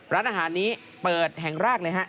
ร้านอาหารนี้เปิดแห่งแรกเลยฮะ